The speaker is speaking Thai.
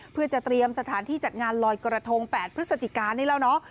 เพื่อจะเตรียมสถานที่จัดงานลอยกระทง๘พฤศจิกานี่แล้วเนาะ